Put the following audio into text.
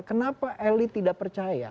kenapa elit tidak percaya